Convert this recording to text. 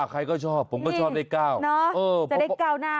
ใครก็ชอบผมก็ชอบเลข๙เนาะแต่เลข๙น่า